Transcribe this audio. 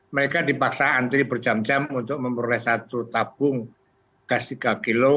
mereka dipaksa antri berjam jam untuk memperoleh satu tabung gas tiga kg